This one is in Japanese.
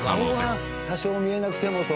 青は多少見えなくてもと。